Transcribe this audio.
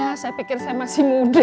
ya saya pikir saya masih muda